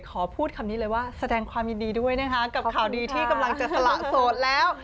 ขอพูดคำนี้เลยว่าแสดงความยินดีด้วยนะคะกับข่าวดีที่กำลังจะสละโสดแล้ว